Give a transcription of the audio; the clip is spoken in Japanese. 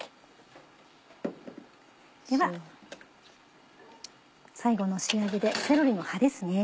では最後の仕上げでセロリの葉ですね。